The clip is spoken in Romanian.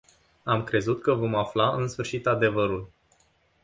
Am crezut că vom afla în sfârșit adevărul.